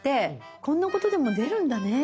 こんなことでも出るんだね。